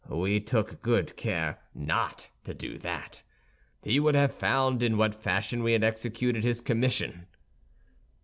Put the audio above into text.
"We took good care not to do that; he would have found in what fashion we had executed his commission."